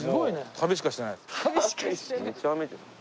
旅しかしてない。